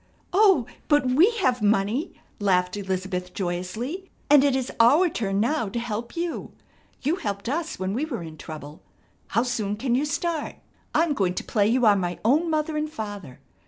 "Oh, but we have money," laughed Elizabeth joyously, "and it is our turn now to help you. You helped us when we were in trouble. How soon can you start? I'm going to play you are my own father and mother.